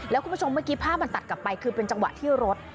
แล้วคุณผู้ชมเมื่อกี้ภาพมันตัดกลับไปคือเป็นจังหวะที่รถ